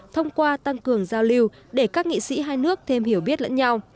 thông qua tăng cường giao lưu để các nghị sĩ hai nước thêm hiểu biết lẫn nhau